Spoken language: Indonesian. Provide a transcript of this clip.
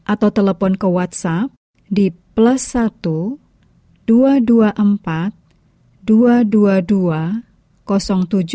atau telepon ke whatsapp di plus satu dua ratus dua puluh empat dua ratus dua puluh dua tujuh ratus tujuh puluh tujuh